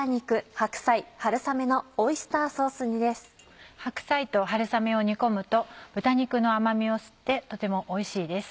白菜と春雨を煮込むと豚肉の甘味を吸ってとてもおいしいです。